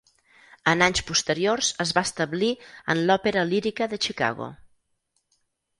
En anys posteriors es va establir en l'Òpera Lírica de Chicago.